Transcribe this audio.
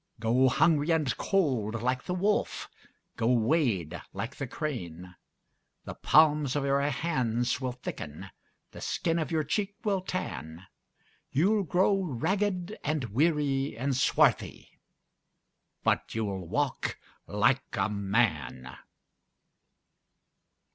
Go hungry and cold like the wolf, Go wade like the crane:The palms of your hands will thicken, The skin of your cheek will tan, You 'll grow ragged and weary and swarthy, But you 'll walk like a man!